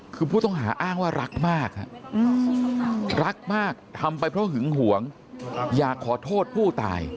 คือผู้ต้องหาอ้างว่ารักมากรักมากทำไปเพราะหึงหวงอยากขอโทษผู้ตาย